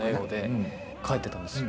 帰って行ったんですよ。